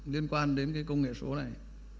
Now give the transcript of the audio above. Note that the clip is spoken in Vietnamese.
liên quan đến cái công nghệ số này